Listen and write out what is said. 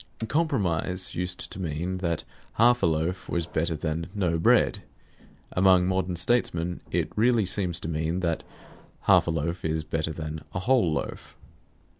Compromise used to mean that half a loaf was better than no bread. Among modern statesmen it really seems to mean that half a loaf is better than a whole loaf.